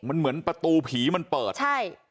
มันเหมือนประตูผีมันเปิดใช่